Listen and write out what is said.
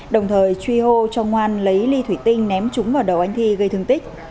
đồng thời truy hô cho ngoan lấy ly thủy tinh ném trúng vào đầu anh thi gây thương tích